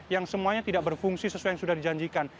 yang semuanya tidak berfungsi sesuai yang sudah dijanjikan